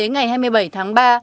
đến ngày hai mươi bảy tháng ba